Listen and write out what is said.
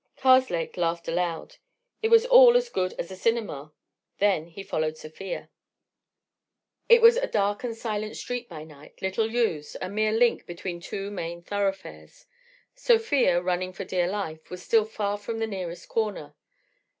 Karslake laughed aloud: it was all as good as a cinema. Then he followed Sofia. It was a dark and silent street by night, little used, a mere link between two main thoroughfares. Sofia, running for dear life, was still far from the nearest corner.